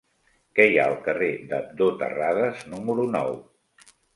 Què hi ha al carrer d'Abdó Terradas número nou?